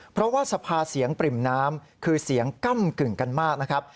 เพราะว่าสภาเสียงปริ่มน้ำคือเสียงก้ำกึ่งกันมากนะครับ